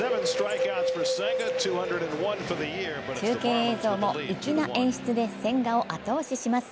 中継映像も粋な演出で千賀を後押しします。